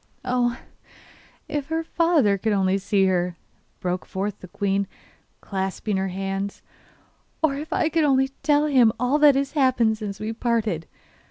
'Oh! if her father could only see her!' broke forth the queen, clasping her hands. 'Or if I could only tell him all that has happened since we parted.